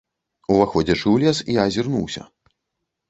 Уваходзячы ў лес, я азірнуўся.